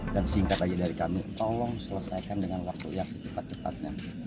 dan singkat aja dari kami tolong selesaikan dengan waktu yang setepat tepatnya